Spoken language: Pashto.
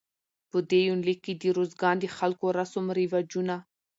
په دې يونليک کې د روزګان د خلکو رسم رواجونه